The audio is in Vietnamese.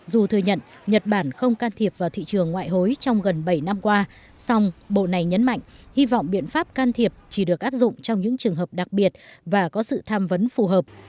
dù thừa nhận nhật bản không can thiệp vào thị trường ngoại hối trong gần bảy năm qua song bộ này nhấn mạnh hy vọng biện pháp can thiệp chỉ được áp dụng trong những trường hợp đặc biệt và có sự tham vấn phù hợp